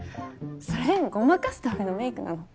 それごまかすためのメイクなの。